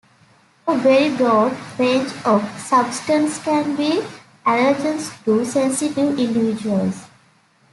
A very broad range of substances can be allergens to sensitive individuals.